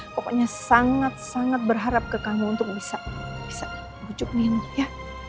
pokoknya sangat sangat berharap ke kamu untuk bisa bujuk nyanyi ya